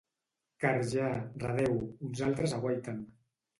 Car ja —redéu—, uns altres aguaiten.